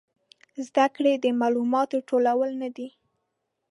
زده کړه د معلوماتو ټولول نه دي